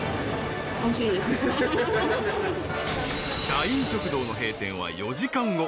［社員食堂の閉店は４時間後。